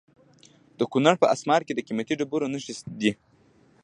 د کونړ په اسمار کې د قیمتي ډبرو نښې دي.